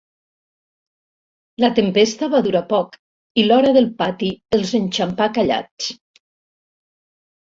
La tempesta va durar poc i l'hora del pati els enxampà callats.